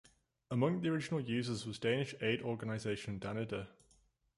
Among the original users was Danish aid organisation Danida.